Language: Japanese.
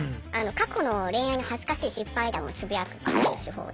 過去の恋愛の恥ずかしい失敗談をつぶやくっていう手法で。